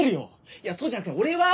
いやそうじゃなくて俺は？